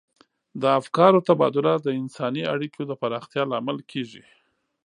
د افکارو تبادله د انساني اړیکو د پراختیا لامل کیږي.